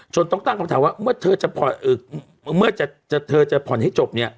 จนต้องตั้งคำถามว่าเมื่อเธอจะผ่อนให้จบ